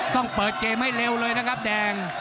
ต้องเปิดเกมให้เร็วเลยนะครับแดง